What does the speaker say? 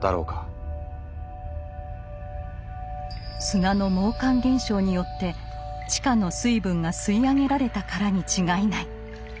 砂の毛管現象によって地下の水分が吸い上げられたからに違いない。